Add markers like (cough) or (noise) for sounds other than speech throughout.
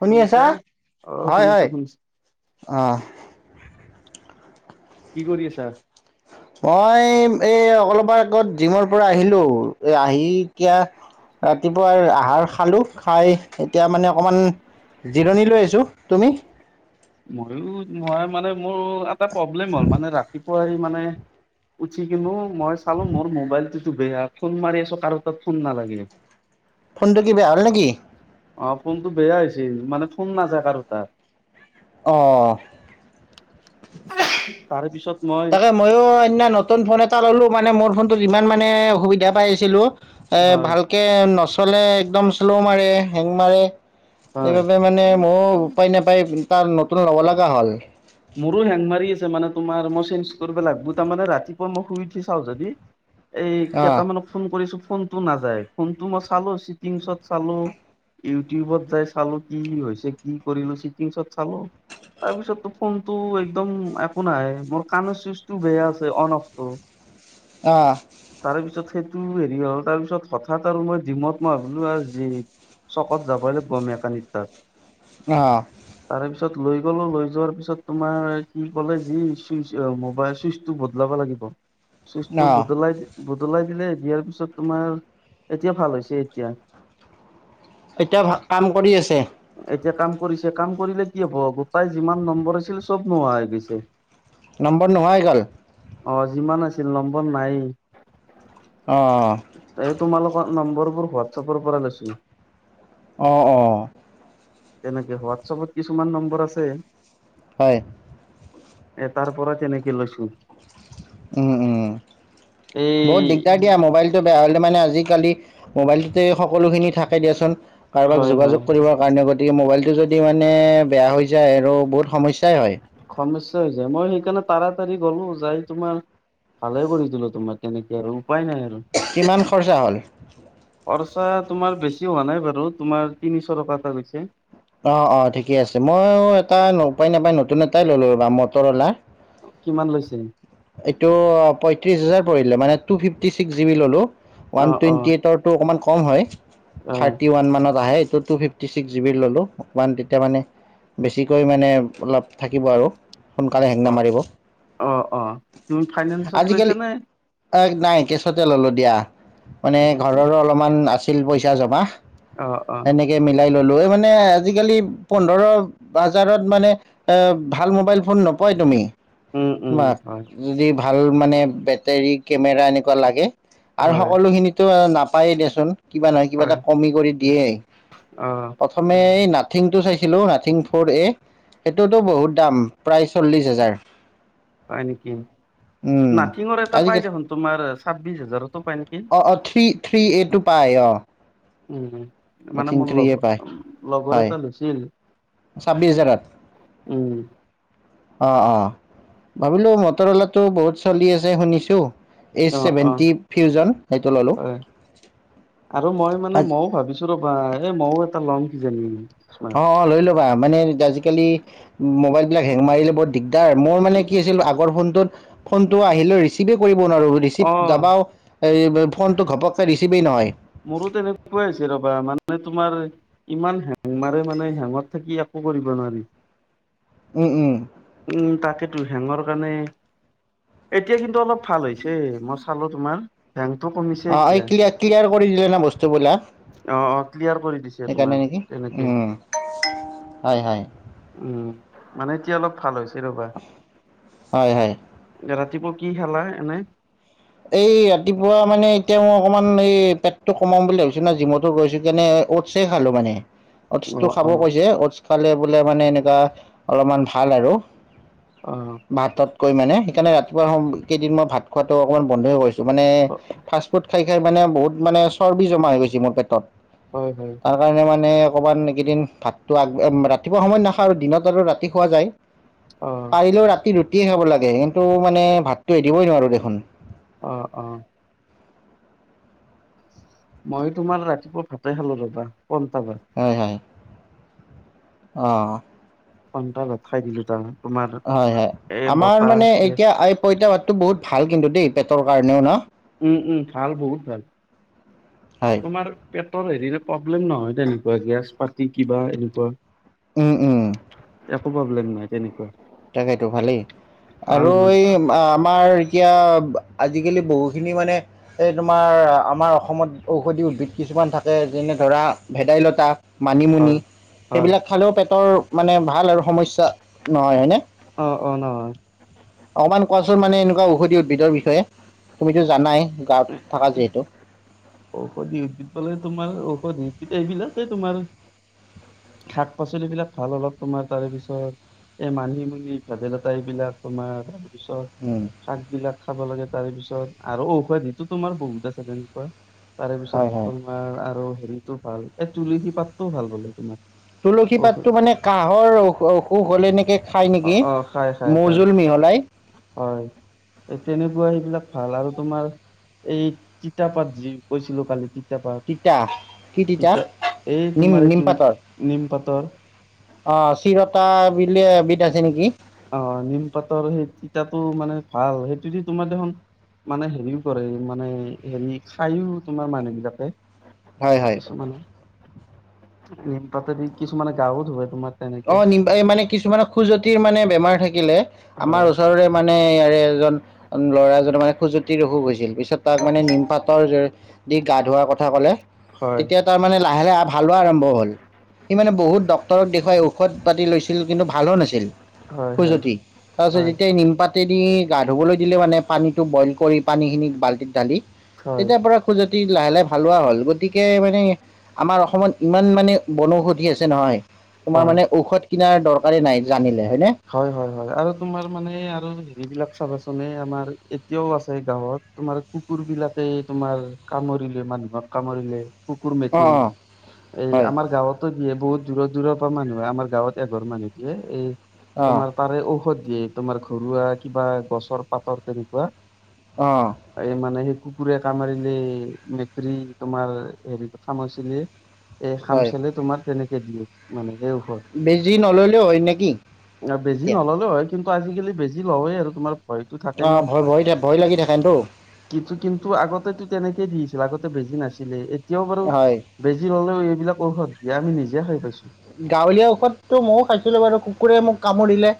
শুনি আছা? শুনিছা অ হয় শুনিছো হয় শুনিছ অ কি কৰি আছা মই এই, এই অলপ আগত জিমৰ পৰা আহিলো এ আহি এতিয়া ৰাতিপুৱাৰ আহাৰ খালো খাই এতিয়া মানে অকমান জিৰণি লৈ আছোঁ তুমি মইয়ো মই মানে মোৰ এটা প্ৰব্লেম হ'ল মানে ৰাতিপুৱা আহি মানে উঠি কিনো মই চালো মোৰ মোবাইলটোতো বেয়া ফোন মাৰি আছো কাৰো তাত ফোন নালাগে ফোনটো কি বেয়া হ'ল নেকি অ ফোনটো বেয়া হৈছিল মানে ফোন নাযায় কাৰো তাৰ অ তাৰে পিছত মই তাকে ময়ো এদিনা নতুন ফোন এটা ল'লোঁ মানে মোৰ ফোনটো যিমান মানে অসুবিধা পাইছিলোঁ এ হয় ভালকে নচলে একদম শ্ল' মাৰে হেং মাৰে হয়। সেইবাবে মানে ময়ো উপায় নাপায় তাৰ নতুন ল'ব লগা হ'ল মোৰো হেং মাৰি আছে মানে তোমাৰ মই চেঞ্জ কৰিব লাগিব তাৰ মানে ৰাতিপুৱা মই শুই উঠি চাওঁ যদি এই অ কেইটামানক ফোন কৰিছো ফোনটো নাযায় ফোনটো মই চালো চিটিংছত চালো ইউটিউবত যাই চালো কি হৈছে কি কৰিলো চিটিংছত চালো তাৰপিছত ফোনটো একদম একো নাহে মোৰ কাণৰ চুইচটো বেয়া আছে অন অফটো অ তাৰপিছত সেইটো হেৰি হ'ল তাৰ পিছত হঠাৎ আৰু মই জিমত মই ভাবিলো আৰু যি চকত যাবই লাগিব মেকানিক তাত অ তাৰ পিছত লৈ গলো লৈ যোৱাৰ পিছ ছত তোমাৰ কি ক'লে যি চুইচ মোবাইল চুইচটো বদলাব লাগিব চুইচটো অ অ বদলাই বদলাই দিলে দিয়াৰ পিছত তোমাৰ এতিয়া ভাল হৈছে এতিয়া এতিয়া কাম কৰি আছে এতিয়া কাম কৰিছে কাম কৰিলে কি হব গোপাই যিমান নম্বৰ আ ছিল চব নোহোৱা হৈ গৈছে নম্বৰ নোহোৱা হৈ গ'ল অ যিমান আছিল নম্বৰ নায়েই অ এই তোমালোকৰ নম্বৰবোৰ হোৱাটচাপৰ পৰা লৈছি অ অ তেনেকে হোৱাটছাপত কিছুমান নম্বৰ আছে হয়, এ তাৰ পৰা কেনেকে লৈছো। উম উম' এই বহুত দিগদাত- এয়া মোবাইলটো বেয়া হলে মানে আজিকালি মোবাইলটোতে সকলো খিনি থাকে দিয়াচোন। কাৰোবাক হয় যোগাযোগ হয় কৰিবৰ কাৰণে গত- গতিকে মোবাইলটো যদি মানে বেয়া হৈ যায় আৰু বহুত সমস্যাই হয়। সমস্যায় হৈ যায় মই সেইকাৰণে তাৰাতাৰি গলো যাই তোমাৰ- ভালে কৰি দিলো তোমাক তেনেকে আৰু উপায় নাই আৰু। কিমান খৰচা হ'ল? খৰচা তোমাৰ বেছি হোৱা নাই বাৰু তোমাৰ তিনিশ টকা এটা গৈছে। অঁ অঁ ঠিকেই আছে মইয়ো এটা ন উপায় নাপায় নতুন এটাই ললো ৰব মটৰ অলা। কিমান লৈছিল। এইটো পয়ত্ৰিশ হেজাৰ পৰিলে মানে টু ফিফটি চিক্সজিবি ললো। অ ওৱান অ টুৱেটি ৰেটৰটো অকমান কম হয় অ থাৰ্টি ওৱান মানত আহে এইটো টোফিফ- ফিফটি ছিক্স জিবিৰ ল'লোঁ অকমান তেতিয়া মানে বেছিকৈ মানে অলপ থাকিব আৰু। সোনকালে হেং অঁ নামাৰিব অঁ অঁ তুমি ফাইনেন্সত লৈছা নে। এ নাই কেছতে ললো দিয়া মানে ঘৰৰো অলপমান আছিল পইচা জমা। অ অ এনেকে মিলাই ললো এই মানে- আজিকালি পোন্ধৰ বাজাৰত মানে এ ভাল মোবাইল ফোন নপয় তুমি। উম উম তোমাক হয় যদি ভাল মানে বেটেৰী কেমেৰা এনেকুৱা লাগে- আৰু হয় সকলো খিনিতো নাপায়েই দেচোন- কিবা নায় কিবা হয় এটা কমি কৰি দিয়েই অ প্ৰথমেই নাক- নাথিংটো চাইছিলো নাথিং ফ'ৰ এ সেইটোতো বহুত দাম প্ৰায় চল্লিশ হেজাৰ। হয় নিকি। উম নাথিঙৰ এটা পায় আজিকালি দেখোন তোমাৰ ছাব্বিশ হাজাৰতো পায় নিকি। অ অ থ্ৰী- থ্ৰী এটো পায় অঁ। উম উম' মানে মোৰ লগ পায় লগৰ হয় এটা লৈছিল। ছাব্বিছ হেজাৰত। উম'। অঁ অঁ ভাবিলোঁ মটৰ অলাটো বহুত চলি আছে শুনিছোঁ- এইচ অ', অ', চছেভেন্টি ফিউজৰ সেইটো ললো। হয়। আত- ছো ৰবা এ ময়ো এটা লম কিজানি। অঁ অঁ লৈ ল'বা মানে আজিকালি- মোবাইল বিলাক হেং মাৰিলে বৰ দিগদাৰ মোৰ মানে কি আছিল আগৰ ফোনটোত- ফনটো আহিলে ৰিচিভে কৰিব নোৱাৰো ৰিচিভ অ', জাবাও- এই ফোনটো ঘপককে ৰিচিভেই নহয়। মোৰো তেনেকুৱাই হৈছে ৰবা মানে তোমাৰ- ইমান হেং মাৰে মানে হেঙত থাকি একো কৰিব নোৱাৰি। উম উম' উম' তাকেইটো হেঙৰ কাৰণে- এতিয়া কিন্তু অলপ ভাল হৈছে মই চালো তোমাৰ- ৰেংটো কমিছে। অঁ এই এতিয়া ক্লিয়া ক্লিয়াৰ কৰি দিলে না বস্তুবিলাক। অঁ অঁ ক্লিয়াৰ কৰি দিছে সেইকাৰণে তোমাৰ নেকি তেনেকে। উম হয় হয় উম মানে এতিয়া অলপ ভাল হৈছে ৰ'বা। হয় হয় এতিয়া ৰাতিপুৱা কি খালা এনে? এই ৰাতিপুৱা মানে এতিয়া মই অকনমান এই পেটটো কমাম বুলি ভাবিছোঁ না জিমতো গৈছোঁ কেনে অ'টচে খালো মানে। অ'টচটো অ', খাব অ', কৈছে অটচ খালে বোলে মানে এনেকুৱা অলপমান ভাল আৰু। অঁ। ভাততকৈ মানে সেইকাৰণে ৰাতিপুৱা কেইদিন মই ভাত খোৱাটো অকণমান বন্ধই কৰিছো মানে ফাষ্টফুড খাই খাই মানে বহুত মানে চৰ্বি জমা হৈ গৈছে মোৰ পেটত। হয় হয়। তাৰ কাৰণে মানে অকণমান এইকেইদিন ভাতটো আগ ৰাতিপুৱা সময়ত নাখাওঁ আৰু দিনত আৰু ৰাতি খোৱা যায়। (inaudible) অ। পাৰিলেও ৰাতি ৰুটিয়ে খাব লাগে, কিন্তু মানে ভাতটো এৰিবই নোৱাৰো দেখোন। অ অঁ। মই তোমাৰ ৰাতিপুৱা ভাতে খালো ৰবা পন্টা ভাত। হয় হয়। অঁ। পন্তা ভাত খাই দিলো দুটামান। হয় হয় আমাৰ মানে গেছ এতিয়া আই পঁইতা ভাতটো বহুত ভাল কিন্তু দেই পেটৰ কাৰণেও ন? উম উম ভাল বহুত ভাল, হয় তোমাৰ পেটৰ হেৰিৰে প্ৰব্লেম নহয় তেনেকুৱা গেছ পাতি কিবা এনেকুৱা। উম উম। একো প্ৰব্লেম নাই তেনেকুৱা। তাকেইটো ভালেই ভাল আৰু মানে এই আমাৰ এতিয়া আজিকালি বহুখিনি মানে এই তোমাৰ আমাৰ অসমত ঔষধি উদ্ভিদ কিছুমান থাকে যেনে ধৰা ভেদাইলতা মানিমুনি হয়। হয়, সেইবিলাক খালেও পেটৰ মানে ভাল আৰু সমস্যা নহয়, হয়নে? অ অ নহয়। অকণমান কোৱাচোন মানে এনেকুৱা ঔষধি উদ্ভিদৰ বিষয়ে তুমিতো জানাই গাঁৱত থাকা যিহেতু। ঔষধি উদ্ভিদ কলে তোমাৰ ঔষধি উ এইবিলাকে তোমাৰ শাক পাচলিবিলাক ভাল অলপ তোমাৰ তাৰেপিছত। এই মানিমুনি ভেদাইলতা এইবিলাক তোমাৰ তাৰপিছত উম। শাক বিলাক খাব লাগে তাৰেপিছত আৰু ঔষধি সেইটো তোমাৰ বহুত আছে তেনেকুৱা। হয় তাৰেপিছত হয় তোমাৰ আৰু হেৰিটো ভাল এই তুলসী পাতটোও ভাল বোলে তোমাৰ। তুলসী ঔষধ পাতটো মানে কাহৰ অ অসুখ হলে এনেকে খায় অ নেকি? অ খাই খাই খাই মৌজোল মিহলাই। হয় এই তেনেকুৱা সেইবিলাক ভাল আৰু তোমাৰ এই তিতাপাত যি কৈছিলো কালি তিতা ইতাপাত তিতা এই নিম তোমাৰ এইটো নিমপাতৰ অঁ চিৰতা বুলি এবিধ আছে নেকি? অ নিম পাতৰ সেই তিতাটো মানে ভাল, সেইটো দি তোমাৰ দেখোন মানে হেৰিও কৰে মানে হেৰি খায়ও তোমাৰ মানুহ বিলাকে। হয় হয় কিছুমানে নিম পতেদি কিছুমানে গাও ধুুৱে তোমাৰ। অ তেনেকে নিম এই মানে কিছুমান খুজতিৰ মানে বেমাৰ থাকিলে আমাৰ হয় ওচৰৰে মানে ইয়াৰে এজন ল'ৰা এজনৰ মানে খুজুৱতি অসুখ হৈছিল পিছত তাক মানে নিমপাতৰ দি গা ধোৱাৰ কথা কলে হয় তেতিয়া তাৰ মানে লাহে লাহে ভালো হোৱা আৰম্ভ হল সি মানে বহুত ডক্তৰক দেখুৱাইও ঔষধ পাতি লৈছিল কিন্তু ভালো নাছিল হয় হয় খোজতি তাৰপিছত হয় যেতিয়া নিমপাত পাতে দি গা ধুবলৈ দিলে মানে পানীটো বইল কৰি পানীখিনি বাল্টীত ঢালি হয় তেতিয়া পৰা খজুৱতি লাহে লাহে ভালো হোৱা হ'ল গতিকে মানে আমাৰ অসমত ইমান মানে বনৌষধি আছে নহয় তোমাৰ মানে ঔষধ কিনাৰ দৰকাৰে নাই জানিলে হয় নে হয় হয় হয় আৰু তোমাৰ মানে আৰু হেৰিবিলাক চাবাচোন আমাৰ এতিয়াও আছে গাঁৱত তোমাৰ কুকুৰ বিলাকে তোমাৰ কামুৰিলে মানুহক কামুৰিলে কুকুৰ অঁ মেকুৰী অঁ এই হয় আমাৰ গাঁৱতো দিয়ে বহুত দূৰত দূৰত পৰা মানুহে আমাৰ গাঁৱত এঘৰ মানুহটোৱে এই অঁ তোমাৰ তাৰে ঔষধ দিয়ে তোমাৰ ঘৰুৱা কিবা গছৰ পাতৰ তেনেকুৱা অ এই মানে সেই কুকুৰে কামুৰিলে মেএৰি তোমাৰ হেৰি কামোৰিছিলে এই হয় খামচালি তোমাৰ তেনেকে দিয়ে মানে এই ঔষধ বেছি নললেও হয় নেকি বেজি এতিয়া নললেও হয় কিন্তু আজিকালি বেজি লয় আৰু তোমাৰ ভয়তো থাকে ন অঁ ভয় ভয় থা- ভয় লাগি থাকেতো কি কিন্তু আগতেতো তেনেকেই দিছিল আগতে বেজি নাছিলে এতিয়াও বাৰু হয় বেজি ললেও এইবিলাক ঔষধ দিয়ে আমি নিজে খাই পাইছো গাঁৱলীয়া ঔষধতো ময়ো খাইছিলো বাৰু কুকুৰে মোক কামুৰিলে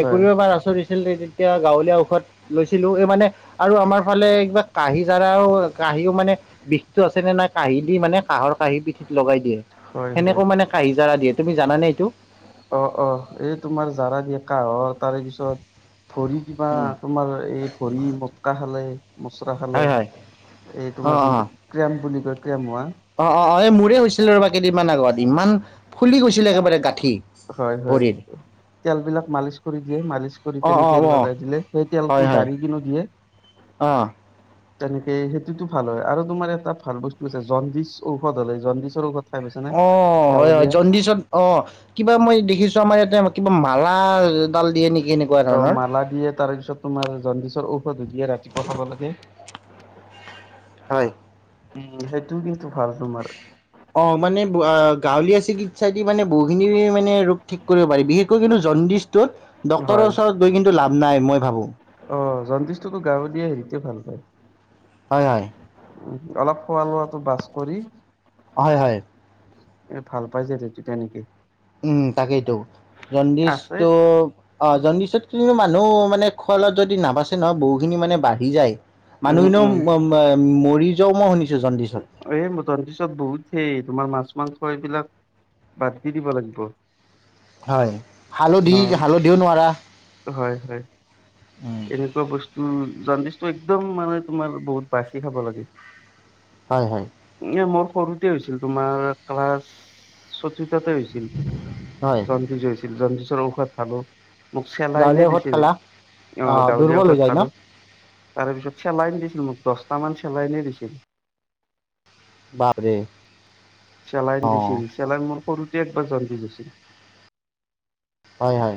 হয় বাৰ আচৰি আ, ' তেতিয়া গাঁৱলীয়া ঔষধ লৈছিলো এই মানে আৰু আমাৰ ফালে কিবা কাঁহী যাৰাও কাহিও মানে বিষটো আছে নে নাই কাঁহি দি মানে কাঁহৰ কাঁহি পিঠিত লগাই দিয়ে হয় হয় সেনেকৈ মানে (unintelligible) তুমি জানে এইটো? অ, ' অ, 'এই তোমাৰ জাৰা দিয়ে কহৰ তাৰে পিছত ধৰি কিবা উম, তোমাৰ এই ভৰি মটকা খালে মচলা খালে হয় হয় এই অ তোমাৰ অ যোনটো ক্ৰেম বুলি কয় ক্ৰেম হোৱা অ, 'অ, 'অ, 'এই মোৰে হৈছিল ৰবা কেইদিনমান আগত ইমান ফুলি গৈছিলে একেবাৰে গাঁঠি হয়, হয়। ভৰিৰ তেল বিলাক মালিচ কৰি দিয়ে মালিচ কৰি অ অ তেনেকে অ লগাই দিলে সেই হয় তেলতটো হয় জাৰি কিনো দিয়ে অ তেনেকে সেইটোতো ভাল হয় আৰু তোমাৰ এটা ভাল বস্তু আছে জণ্ডিছ ঔষধ হলে জণ্ডিচৰ ঔষধ খাই পাইছা নে অ হয় হয় গাঁৱলীয়া জণ্ডিচত অ কিবা মই দেখিছো আমাৰ ইয়াতে কিবা মালা ডাল দিয়ে নেকি এনেকুৱা অ ধৰণৰ মালা দিয়ে তাৰপিছত তোমাৰ জণ্ডিচৰ ঔষধ দিয়ে ৰাতিপুৱা খাব লাগে। হয়। উম, সেইটোও কিন্তু ভাল তোমাৰ অ, ' মানে গাঁৱলীয়া চিকিৎসা দি মানে বহুখিনি মানে ৰোগ ঠিক কৰিব পাৰি বিশেষকৈ কিন্তু জণ্ডিছটোত ডক্তৰৰ হয় ওচৰত গৈ কিন্তু লাভ নাই মই ভাবো অ, ' জণ্ডিচটোতো গাৱঁলীয়া হেৰিতে ভাল পায়। হয়, হয়। উ, অলপ খোৱা লোৱাটো বাছ কৰি হয়, হয়। এ ভাল পাইছে যে নেকী? উম, তাকেইতো আছে জণ্ডিচটো অ, ' জণ্ডিচত কিন্তু মানুহ মানে খুৱলত যদি নাবাচে নহয় বহুখিনি মানে বাঢ়ি যায়। উম মানুহনে উম মৰি যাও মই শুনিছো জণ্ডিচত। এই ম তন পিছত বহুত হেই তোমাৰ মাছ মাংস এইবিলাক বাদ দি দিব লাগিব। হয়, ন হালধি হালধিও নোৱাৰা। হয়, হয়। উম। এনেকুৱা বস্তু জণ্ডিচত একদম মানে তোমাৰ বহুত বাচি খাব লাগে। হয়, হয়। এ মোৰ সৰুতে হৈছিল তোমাৰ ক্লাছ চতুৰ্থ হৈছিল হয় জণ্ডিছ হৈছিল জণ্ডিছৰ ঔষধ খালোঁ। মোক চেলাইনে গাঁৱলীয়া ভাত দিছিল অ, খালা অ 'গাঁৱলীয়া দুৰ্বল হৈ ঔষধ যায় ন খালো। তাৰ পিছত চেলাইন দিছিল মোক দহটা মান চেলাইন দিছিল। বাপৰে চেলাইন অ দিছিল চেলাইন মোৰ সৰুতে একবাৰ জণ্ডিছ হৈছিল। হয়, হয়।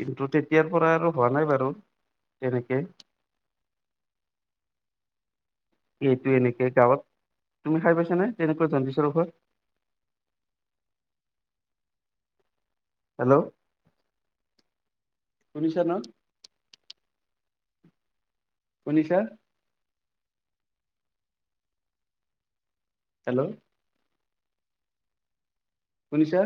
কিন্তু তেতিয়াৰ পৰা আৰু হোৱা নাই বাৰু তেনেকে এইটো এনেকে গাঁৱত তুমি খাই পাইছা নে তেনেকুৱা জণ্ডিছৰ ঔষধ হেল্ল' শুনিছা ন' শুনিছা। হেল্ল', শুনিছা।